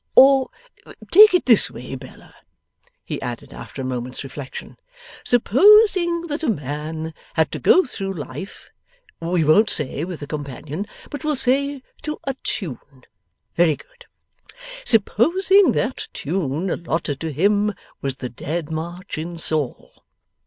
Or take it this way, Bella,' he added, after a moment's reflection; 'Supposing that a man had to go through life, we won't say with a companion, but we'll say to a tune. Very good. Supposing that the tune allotted to him was the Dead March in Saul.